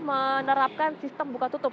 menerapkan sistem buka tutup